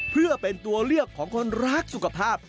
เพื่อเป็นตัวเลือกของคนรักสุขภาพ